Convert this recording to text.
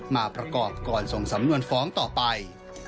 มาประกอบก่อนส่งสำนวนฟ้องต่อไป